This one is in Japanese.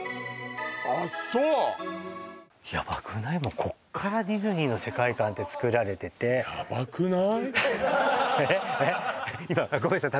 あっそうもうここからディズニーの世界観ってつくられてて「ヤバくない？」